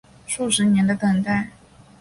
数十年的等待